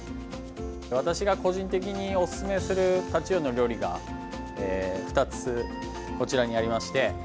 私が個人的におすすめするタチウオの料理が２つ、こちらにありまして。